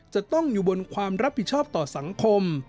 จะต้องอยู่บนความรับผิดชอบต่อสังคม